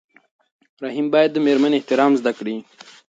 رحیم باید د مېرمنې احترام زده کړي.